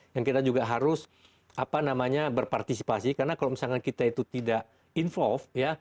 yang kita juga harus berpartisipasi karena kalau misalnya kita tidak involved